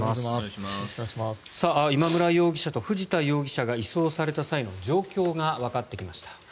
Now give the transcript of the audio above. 今村容疑者と藤田容疑者が移送された際の状況がわかってきました。